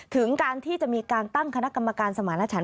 ถึงการที่จะมีการตั้งคณะกรรมการสมารถฉัน